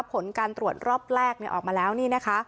ผลการตรวจรอบแรกออกมาแล้วนี่นะคะ